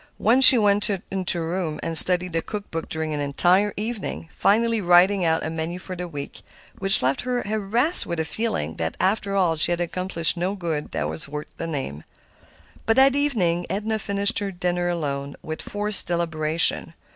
Once she went to her room and studied the cookbook during an entire evening, finally writing out a menu for the week, which left her harassed with a feeling that, after all, she had accomplished no good that was worth the name. But that evening Edna finished her dinner alone, with forced deliberation.